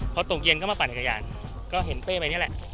พอตกเย็นก็มาปั่นจักรยานก็เห็นเป้ไปนี่แหละ